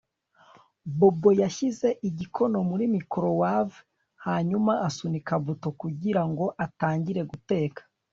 Bobo yashyize igikono muri microwave hanyuma asunika buto kugirango atangire guteka